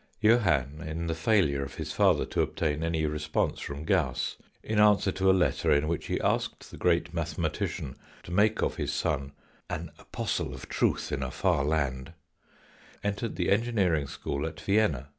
Johann, in the failure of his father to obtain any response from Gauss, in answer to a letter in which he asked the great mathematician to make of his son " an apostle of truth in a far land," entered the Engineering School at Vienna.